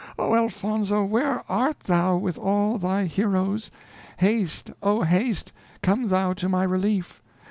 oh, Elfonzo! where art thou, with all thy heroes? haste, oh! haste, come thou to my relief.